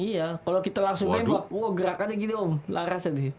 iya kalau kita langsung tengok wah gerakannya gini om laras aja